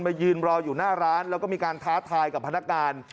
ยืนรออยู่หน้าร้านแล้วก็มีการท้าทายกับพนักงาน